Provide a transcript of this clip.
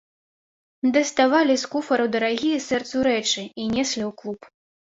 Даставалі з куфраў дарагія сэрцу рэчы і неслі ў клуб.